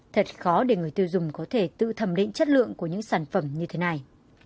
thật khó để người tiêu dùng có thể tự thẩm định chất lượng của những sản phẩm như thế này